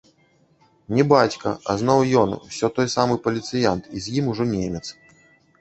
Не бацька, а зноў ён, усё той самы паліцыянт, і з ім ужо немец.